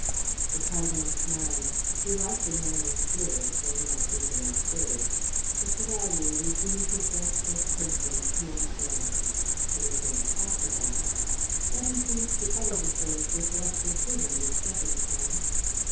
The Cardinal smiled. He liked a man of spirit, though he might think him absurd. The Chevalier resumed his restless pacing to and fro. "It is impossible." But he seemed to utter the phrase with less decision this second time.